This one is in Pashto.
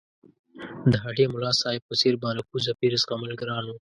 د هډې ملاصاحب په څېر بانفوذه پیر زغمل ګران وو.